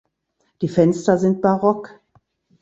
Die Fenster sind barock.